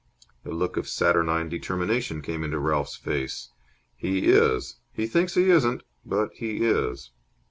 A look of saturnine determination came into Ralph's face. "He is. He thinks he isn't, but he is."